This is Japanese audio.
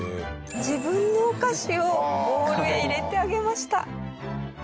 自分のお菓子をボウルへ入れてあげました。